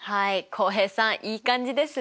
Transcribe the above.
浩平さんいい感じですね？